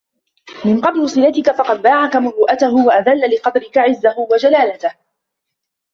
مَنْ قَبِلَ صِلَتَك فَقَدْ بَاعَك مُرُوءَتَهُ وَأَذَلَّ لِقَدْرِك عِزَّهُ وَجَلَالَتَهُ